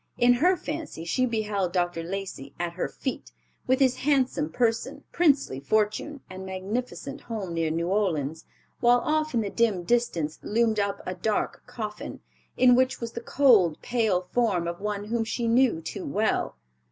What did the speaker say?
In her fancy she beheld Dr. Lacey at her feet, with his handsome person, princely fortune, and magnificent home near New Orleans, while off in the dim distance loomed up a dark coffin, in which was the cold, pale form of one whom she knew too well.